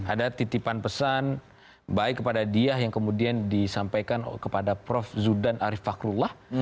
ada titipan pesan baik kepada dia yang kemudian disampaikan kepada prof zudan arief fakrullah